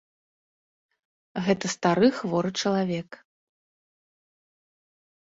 Гэта стары хворы чалавек.